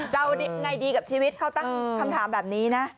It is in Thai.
จะเอายังไงดีกับชีวิตเขาตั้งคำถามแบบนี้นะ